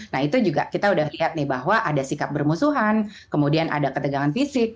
nah itu juga kita udah lihat nih bahwa ada sikap bermusuhan kemudian ada ketegangan fisik